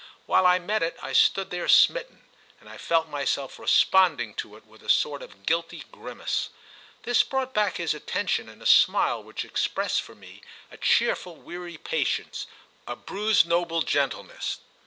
While I met it I stood there smitten, and I felt myself responding to it with a sort of guilty grimace. This brought back his attention in a smile which expressed for me a cheerful weary patience, a bruised noble gentleness.